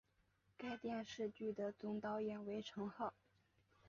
该电视剧的总导演为成浩。